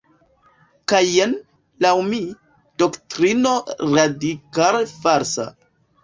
Kaj jen, laŭ mi, doktrino radikale falsa"".